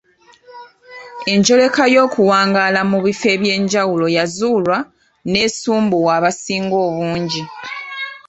Enjoleka y’okuwangaala mu bifo eby’enjawulo yazuulwa ng’esumbuwa abasinga obungi.